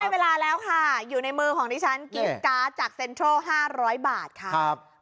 เวลาแล้วค่ะอยู่ในมือของดิฉันกิฟต์การ์ดจากเซ็นทรัล๕๐๐บาทค่ะ